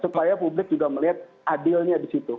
supaya publik juga melihat adilnya di situ